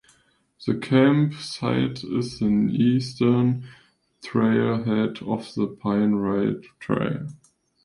The camp site is the eastern trail head of the Pine Ridge Trail.